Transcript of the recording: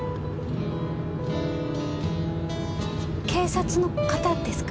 警察の方ですか？